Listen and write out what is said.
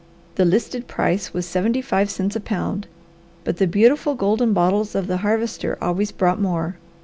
The listed price was seventy five cents a pound, but the beautiful golden bottles of the Harvester always brought more.